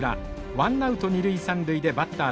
ワンナウト二塁三塁でバッター